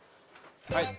はい。